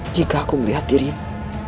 jika aku melihat dirimu